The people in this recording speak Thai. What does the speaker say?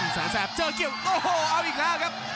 แสนแสบเจอเกี่ยวโอ้โหเอาอีกแล้วครับ